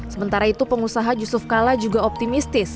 sementara itu pengusaha yusuf kala juga optimistis